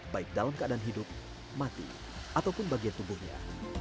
baik dalam keadaan hidup mati ataupun bagian tubuhnya